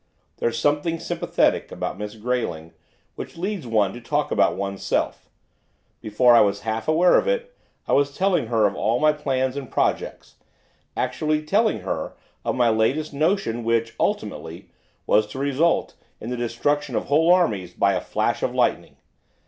There's something sympathetic about Miss Grayling which leads one to talk about one's self, before I was half aware of it I was telling her of all my plans and projects, actually telling her of my latest notion which, ultimately, was to result in the destruction of whole armies as by a flash of lightning.